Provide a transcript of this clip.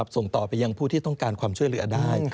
ส่งต่อไปยังผู้ที่ต้องการความช่วยเหลือได้